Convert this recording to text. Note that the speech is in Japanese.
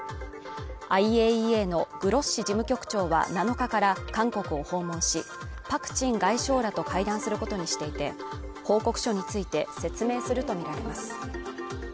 ＩＡＥＡのグロッシ事務局長は７日から韓国を訪問し、パク・チン外相らと会談することにしていて報告書について説明するとみられます。